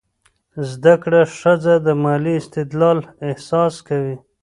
زده کړه ښځه د مالي استقلال احساس کوي.